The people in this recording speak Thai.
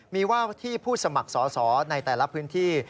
มีว่าที่ผู้สมัครสอสอในแต่ละพื้นที่